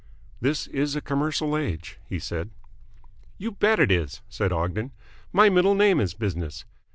"This is a commercial age," he said. "You bet it is," said Ogden. "My middle name is business.